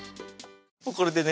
これでね